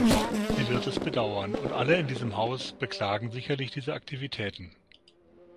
Sie wird es bedauern, und alle in diesem Haus beklagen sicherlich diese Aktivitäten.